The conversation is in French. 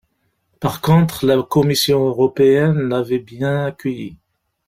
Par contre, la Commission européenne l'avait bien accueilli.